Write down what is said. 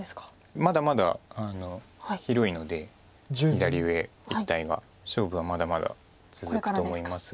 まだまだ広いので左上一帯が勝負はまだまだ続くと思いますが。